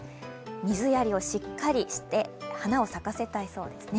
水やりをしっかりして、花を咲かせたいそうですね。